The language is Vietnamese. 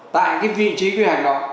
tại cái vị trí quy hành đó